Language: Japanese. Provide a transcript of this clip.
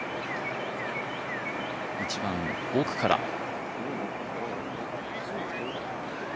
１番、奥から。